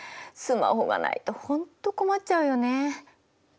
スマホがないと本当困っちゃうよね。